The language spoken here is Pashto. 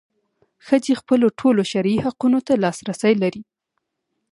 ښځې خپلو ټولو شرعي حقونو ته لاسرسی لري.